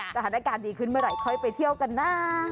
สถานการณ์ดีขึ้นเมื่อไหร่ค่อยไปเที่ยวกันนะ